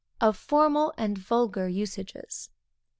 _Of Formal and Vulgar Usages.